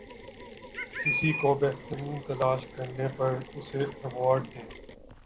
کسی کو بہترین تلاش کرنے پر اسے ایوارڈ دیں